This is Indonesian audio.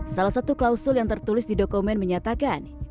salah satu klausul yang tertulis di dokumen menyatakan